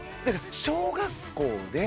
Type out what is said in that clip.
小学校で。